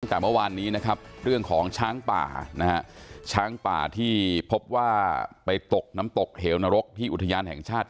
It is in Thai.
แต่เมื่อวานนี้นะครับเรื่องของช้างป่านะฮะช้างป่าที่พบว่าไปตกน้ำตกเหวนรกที่อุทยานแห่งชาติ